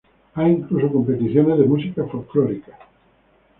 Hay incluso competiciones de música folklórica.